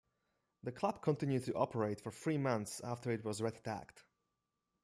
The club continued to operate for three months after it was red tagged.